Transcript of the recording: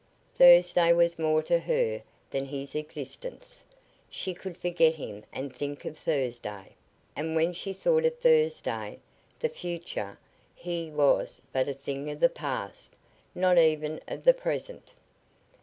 Thursday was more to her than his existence; she could forget him and think of Thursday, and when she thought of Thursday, the future, he was but a thing of the past, not even of the present.